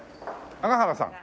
長原さん。